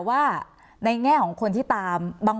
คุณจอมขอบพระคุณครับ